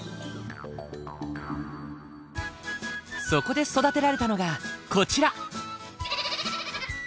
そこで育てられたのがこちら。